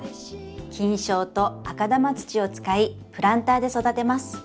菌床と赤玉土を使いプランターで育てます。